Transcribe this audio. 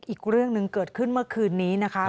อีกเรื่องหนึ่งเกิดขึ้นเมื่อคืนนี้นะคะ